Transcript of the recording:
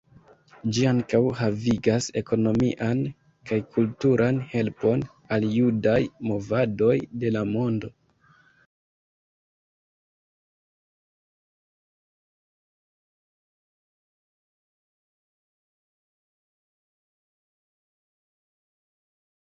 Ĝi ankaŭ havigas ekonomian kaj kulturan helpon al judaj movadoj de la mondo.